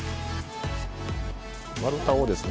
丸太をですね